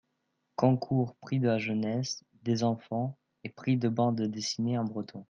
concours Prix de la Jeunesse, des enfants, et prix de bandes-dessinées en breton.